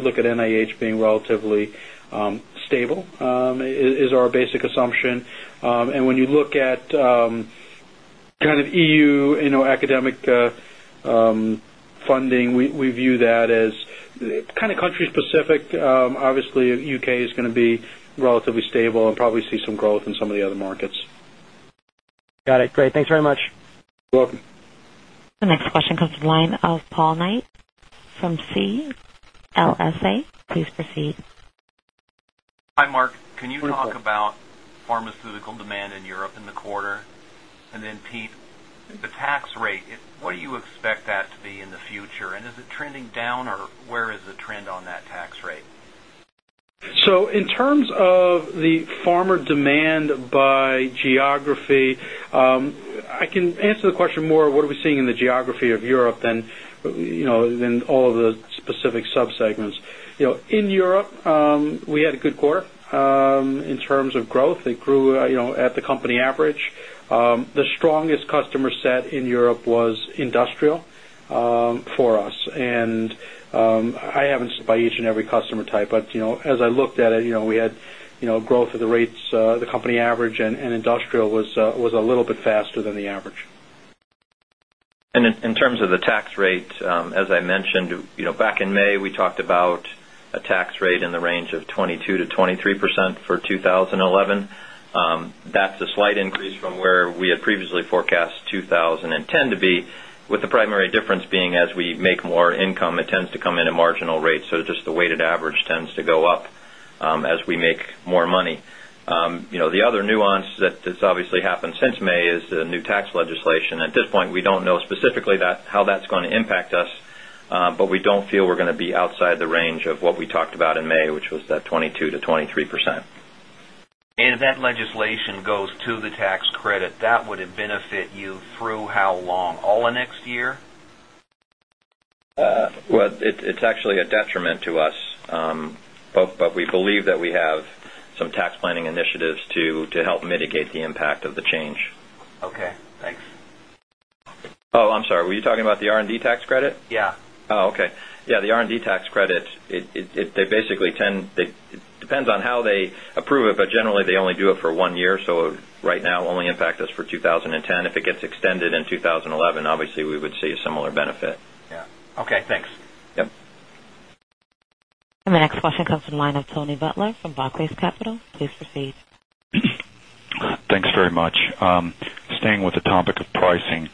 look at NIH being relatively stable is our basic assumption. And when you look at Obviously, UK is going to be relatively stable and probably see some growth in some of the other markets. Got it. Great. Thanks very much. Welcome. The next question comes from the line of Paul Knight from CLSA. Please proceed. Hi, Mark. Can you talk about pharmaceutical demand in Europe in the quarter? And then, Pete, the tax rate, what do you expect that to In the future, and is it trending down or where is the trend on that tax rate? So in terms of the farmer demand by geography, I can answer the question more of what are we seeing in the geography of Europe than all of the In Europe, we had a good quarter in terms of growth. It grew at the company average. The strongest customer set in Europe was industrial for us. And I haven't said by each and every But as I looked at it, we had growth of the rates the company average and industrial was a little bit faster than the average. And in terms of the tax rate, as I mentioned, back in May, we talked about a tax rate in the range of 22% to 3% for 2011. That's a slight increase from where we had previously forecast 2010 to be with the primary As we make more income, it tends to come in at marginal rates. So just the weighted average tends to go up as we make more money. The other nuance that has obviously happened since May is the new tax legislation. At this point, we don't know specifically that how that's going to impact us, but we We don't feel we're going to be outside the range of what we talked about in May, which was that 22% to 23%. And if that legislation goes the tax credit, that would have benefit you through how long, all of next year? Well, it's actually a detriment To us, but we believe that we have some tax planning initiatives to help mitigate the impact of the change. Okay. Thanks. I'm sorry, were you talking about the R and D tax credit? Yes. Okay. Yes, the R and D tax credit, they basically tend it Depends on how they approve it, but generally they only do it for 1 year. So right now only impact us for 2010. If it gets extended in 2011, obviously we would see a similar benefit. Yes. Okay, thanks. Yes. And the next question comes from the line of Tony Butler from Barclays Capital. Please proceed. Thanks very much. Staying with the topic of pricing,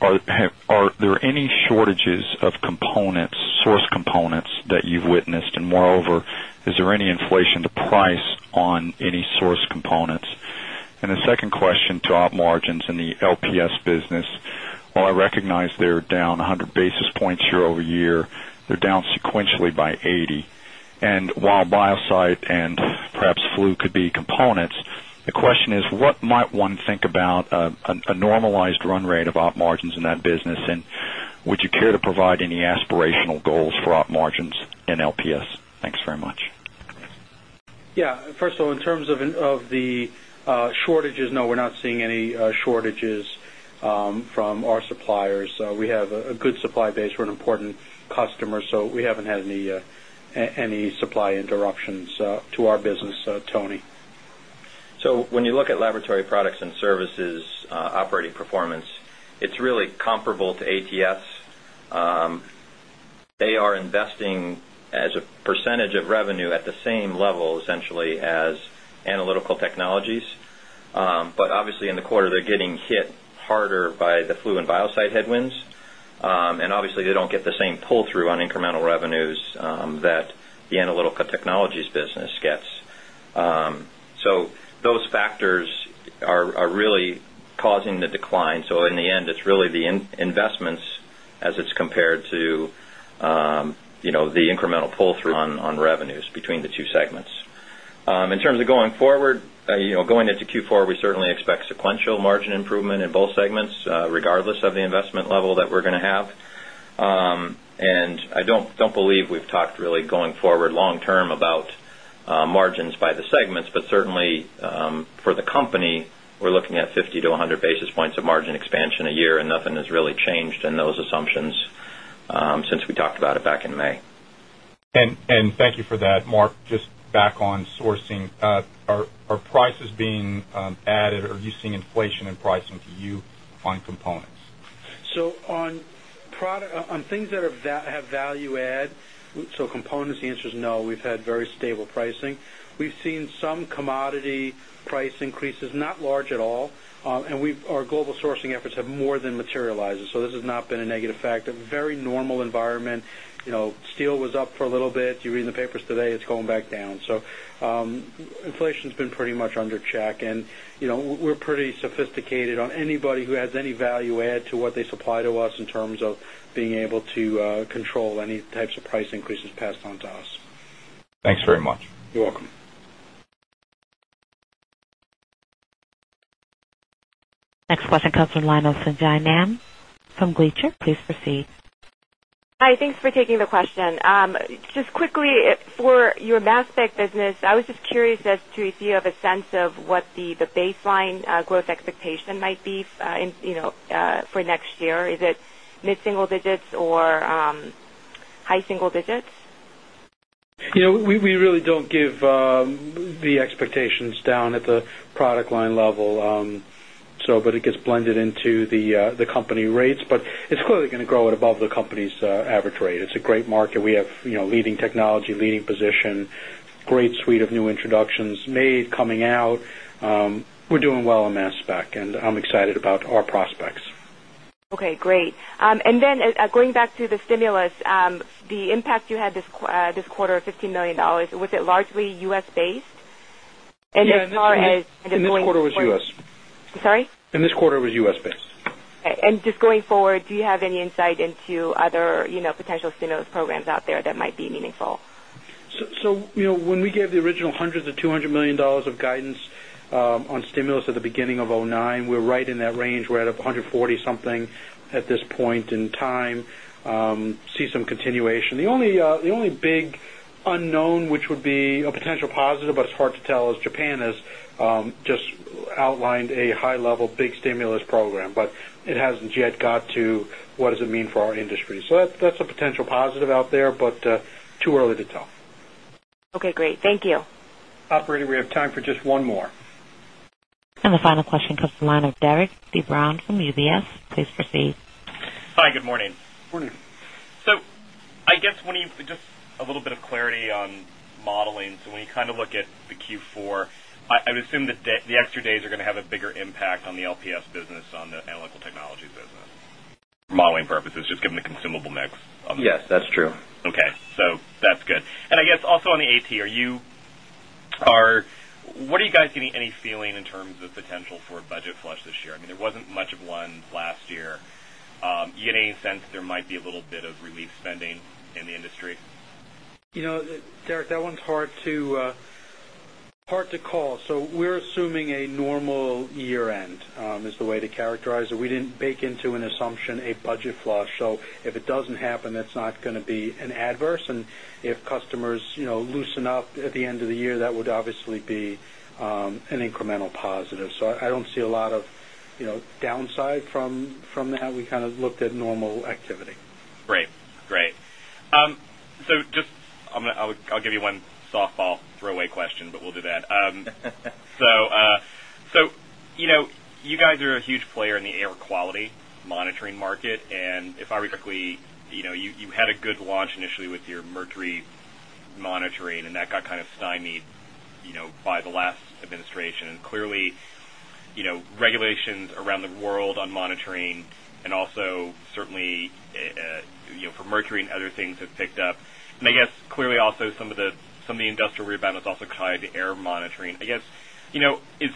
are there any shortages of components, Source components that you've witnessed and moreover, is there any inflation to price on any source components? And The second question to op margins in the LPS business, while I recognize they're down 100 basis points year over year, They're down sequentially by 80%. And while BioSight and perhaps flu could be components, the question is what might one think about A normalized run rate of op margins in that business and would you care to provide any aspirational goals for op margins in LPS? Thanks very much. Yes. First of all, in terms of the shortages, no, we're not seeing any shortages from our suppliers. We have a So when you look at laboratory products and services operating performance, it's really comparable to ATS. They are investing as a percentage of revenue at the same level essentially as analytical technologies. But obviously in the quarter they're getting hit Harder by the Flu and BioSight headwinds. And obviously, they don't get the same pull through on incremental revenues that the as it's compared to the incremental pull through on revenues between the two segments. In terms of going forward, Going into Q4, we certainly expect sequential margin improvement in both segments regardless of the investment level that we're going to have. And I don't believe we've talked really going forward long term about margins by the segments, but certainly for the company, we're looking at 50 to 100 basis points of margin expansion a year and nothing has really changed in those assumptions since we talked about it back in May. And thank you for that. Mark, just back on sourcing, are prices being added? Are you seeing inflation in pricing to you on So on product on things that have value add, so components, the answer is no. We've had very stable pricing. So this has not been a negative fact, a very normal environment. Steel was up for a little bit. You read in the papers today, it's going back down. So inflation has been pretty much We're pretty sophisticated on anybody who has any value add to what they supply to us in terms of being Next question comes from the line of Sung Ji Nam from Glacier. Please proceed. Hi. Thanks for taking the question. Just quickly for your mass spec business, I was just curious as to if you have a sense of what The baseline growth expectation might be for next year, is it mid single digits or high single digits? We really don't give the expectations down at the product line level. But it gets blended into the company rates, but it's clearly going to grow at above the company's average rate. It's a great market. We have leading technology, leading position, Great suite of new introductions made coming out. We're doing well on mass spec, and I'm excited about our prospects. Okay, great. And then going back to the stimulus, the impact you had this quarter of $15,000,000 was it largely U. S. Based? And this quarter was U. S. Sorry? And this quarter was U. S. Based. And just going forward, do you have any insight So when we gave the original $100,000,000 to $200,000,000 of guidance On stimulus at the beginning of 2009, we're right in that range. We're at 140 something at this point in time, See some continuation. The only big unknown which would be a potential positive, but it's hard to tell is Japan has Just outlined a high level big stimulus program, but it hasn't yet got to what does it mean for our industry. So that's a potential positive out there, but too early to tell. Okay, great. Thank you. Operator, we have time for just one more. And the final question comes from the line of Derik Steve Brown from UBS. Please proceed. Hi, good morning. Good morning. So I guess, when you just a little bit of clarity on Modeling, so when you kind of look at the Q4, I would assume that the extra days are going to have a bigger impact on the LPS business on the Analytical Technologies business, Modeling purposes, just given the consumable mix. Yes, that's true. Okay. So that's good. And I guess also on the AT, are you What are you guys getting any feeling in terms of potential for a budget flush this year? I mean, there wasn't much of one last year. Do you get any sense there might be a little bit of relief spending in the industry? Derek, that one's Hard to call. So we're assuming a normal year end is the way to characterize it. We didn't bake into an assumption a budget flush. So if it doesn't happen, that's not going to an adverse and if customers loosen up at the end of the year that would obviously be an incremental positive. So I don't see a lot of Downside from that, we kind of looked at normal activity. Great, great. So just I'll give you one softball throwaway question, but we'll do that. So you guys are a huge player in the air quality Monitoring market. And if I were to quickly, you had a good launch initially with your mercury monitoring and that got kind of stymied By the last administration, clearly, regulations around the world on monitoring and also So certainly for mercury and other things have picked up. And I guess clearly also some of the industrial rebound is also tied to air monitoring. I guess, is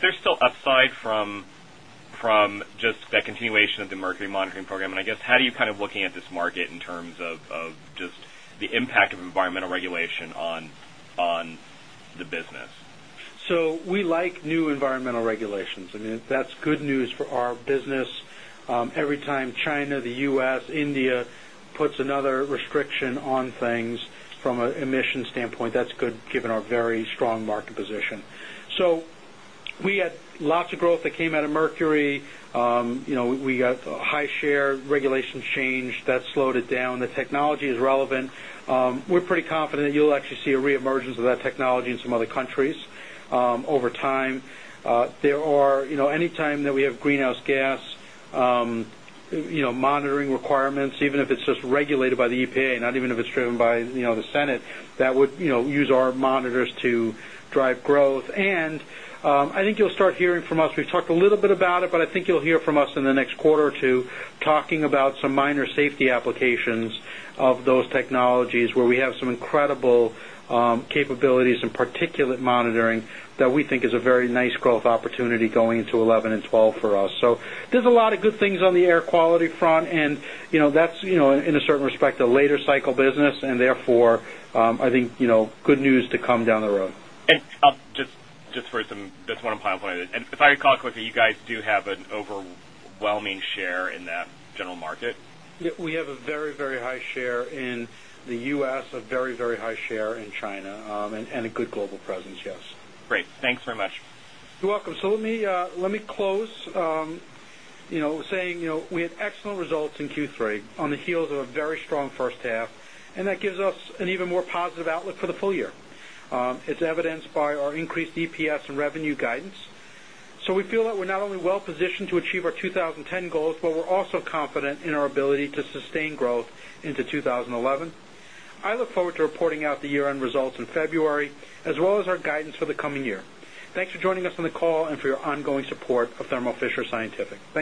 So we like new environmental regulations. I mean, that's Good news for our business. Every time China, the U. S, India puts another restriction on things from an emission standpoint, that's good given our very strong market position. So we had lots of growth that came out of Mercury. We got high share regulation change that slowed it down. The technology is relevant. We're pretty confident that you'll actually see a reemergence of that technology in some other Over time, there are any time that we have greenhouse gas monitoring requirements, even if it's just regulated by the EPA, not even if it's driven by the Senate that would use our monitors to drive growth. And I think you'll start hearing from us. We've talked a little bit it. But I think you'll hear from us in the next quarter or 2 talking about some minor safety applications of those technologies where we have some incredible In particular monitoring that we think is a very nice growth opportunity going into 2011 and 2012 for us. So there's a lot of good things on the air quality front and that's In a certain respect, a later cycle business and therefore, I think good news to come down the road. And Just for some just want to finalize it. And if I recall quickly, you guys do have an overwhelming share in that general market? We have a very, very high share in The U. S. A very, very high share in China and a good global presence, yes. Great. Thanks very much. You're welcome. So let me close We're saying we had excellent results in Q3 on the heels of a very strong first half and that gives us an even more positive outlook for the full year. It's evidenced by our increased EPS and revenue guidance. So we feel that we're not only well positioned to achieve our 2010 goals, but we're also Confident in our ability to sustain growth into 2011. I look forward to reporting out the year end results in February as well as our guidance for the coming year. Thanks for